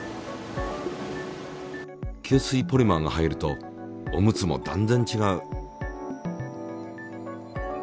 吸水ポリマーが入るとオムツも断然ちがう。